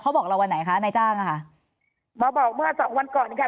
บอกเราวันไหนคะนายจ้างอ่ะค่ะมาบอกเมื่อสองวันก่อนค่ะ